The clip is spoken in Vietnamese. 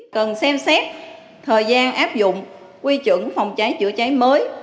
cần xem xét thời gian áp dụng quy chuẩn phòng cháy chữa cháy mới